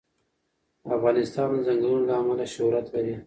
افغانستان د چنګلونه له امله شهرت لري.